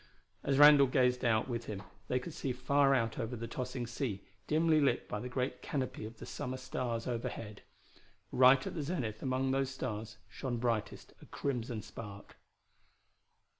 As Randall gazed out with him they could see far out over the tossing sea, dimly lit by the great canopy of the summer stars overhead. Right at the zenith among those stars shone brightest a crimson spark.